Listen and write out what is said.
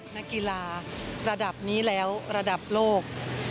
นักกีฬาระดับนี้แล้วระดับโลก